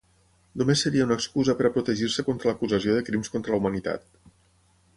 Només seria una excusa per a protegir-se contra l'acusació de crims contra la humanitat.